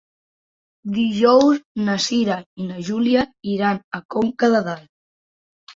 Dijous na Cira i na Júlia iran a Conca de Dalt.